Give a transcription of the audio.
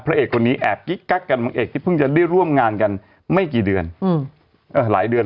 เอกคนนี้แอบกิ๊กกักกันบังเอกที่เพิ่งจะได้ร่วมงานกันไม่กี่เดือนหลายเดือน